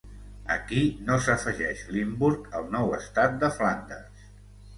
Aquí no s'afegeix Limburg al nou estat de Flandes.